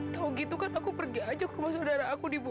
tau gitu kan aku pergi aja ke rumah saudara aku di bu